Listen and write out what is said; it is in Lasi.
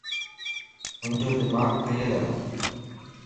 ھنجو دماغ تيز ا